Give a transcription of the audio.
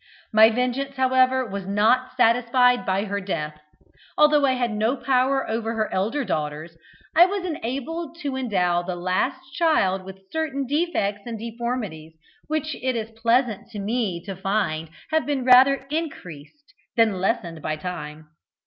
My vengeance, however, was not satisfied by her death. Although I had no power over her elder daughters, I was enabled to endow the last child with certain defects and deformities which it is pleasant to me to find have been rather increased than lessened by time.